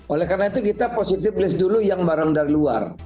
oleh karena itu kita positive list dulu yang barang dari luar